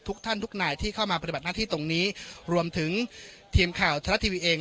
ทุกท่านทุกนายที่เข้ามาปฏิบัติหน้าที่ตรงนี้รวมถึงทีมข่าวทะละทีวีเอง